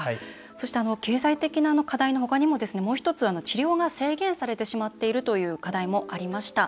そして経済的な課題の他にももう一つ、治療が制限されてしまっているという課題もありました。